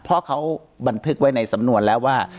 เพราะเขาบันทึกไว้ในสำนวนแล้วว่า